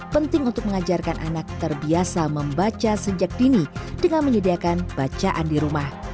penting untuk mengajarkan anak terbiasa membaca sejak dini dengan menyediakan bacaan di rumah